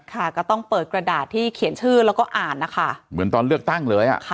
ก็ต้องเปิดกระดาษที่เขียนชื่อแล้วก็อ่านนะคะเหมือนตอนเลือกตั้งเลยอ่ะค่ะ